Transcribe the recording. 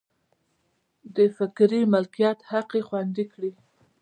د فکري مالکیت حق یې خوندي کړي.